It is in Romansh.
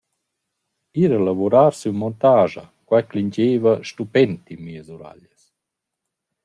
Ir a lavurar sün montascha, quai clingiaiva stupend in mias uraglias.»